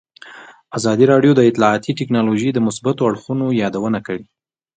ازادي راډیو د اطلاعاتی تکنالوژي د مثبتو اړخونو یادونه کړې.